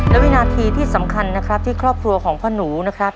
และวินาทีที่สำคัญนะครับที่ครอบครัวของพ่อหนูนะครับ